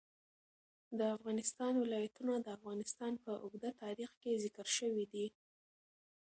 د افغانستان ولايتونه د افغانستان په اوږده تاریخ کې ذکر شوی دی.